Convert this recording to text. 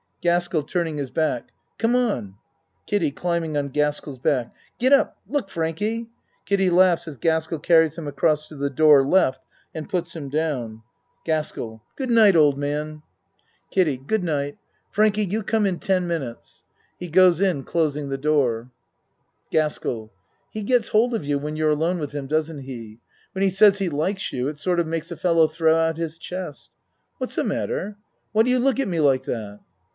GASKELL (Turning his back.) Come on. KIDDIE (Climbing on Gaskell's back.) Get up! Look, Frankie! (Kiddie laughs as Gaskell carries him across to the door L. and puts him down.) GASKELL Good night old man. 98 A MAN'S WORLD KIDDIE Good night Frankie you come in ten minutes. (He goes in closing the door.} GASKBLL He get's hold of you when you're alone with him, doesn't he? When he says he likes you it sort of makes a fellow throw out his chest. What's the matter? Why do you look at me like that?